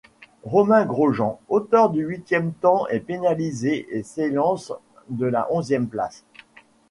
Romain Grosjean, auteur du huitième temps est pénalisé et s'élance de la onzième place.